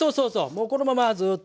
もうこのままずっと。